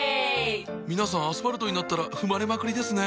皆さんアスファルトになったら踏まれまくりですねぇ。